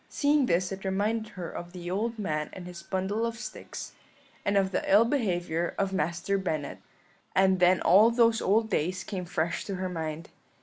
Seeing this it reminded her of the old man and his bundle of sticks, and of the ill behaviour of Master Bennet; and then all those old days came fresh to her mind.